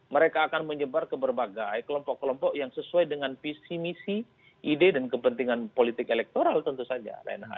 mereka akan menyebar ke berbagai kelompok kelompok yang sesuai dengan visi misi ide dan kepentingan politik elektoral tentu saja